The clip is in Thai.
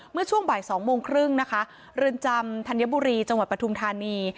เมื่อช่วงบ่าย๒โมงครึ่งนะคะเรือนจำธัญบุรีจังหวัดปฐุมธานี